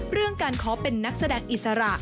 เรื่องการขอเป็นนักแสดงอิสระ